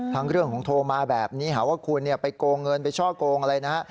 เรื่องของโทรมาแบบนี้หาว่าคุณไปโกงเงินไปช่อโกงอะไรนะฮะ